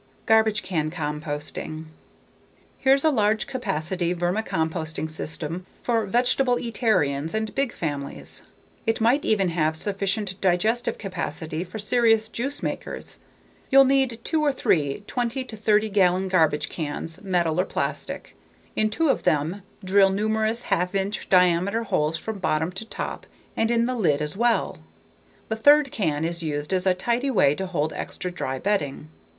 Garbage Can Composting Here's a large capacity vermicomposting system for vegetableatarians and big families. It might even have sufficient digestive capacity for serious juice makers. You'll need two or three, 20 to 30 gallon garbage cans, metal or plastic. In two of them drill numerous half inch diameter holes from bottom to top and in the lid as well. The third can is used as a tidy way to hold extra dry bedding.